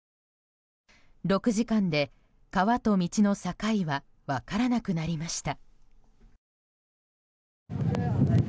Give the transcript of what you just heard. ６時間で川と道の境は分からなくなりました。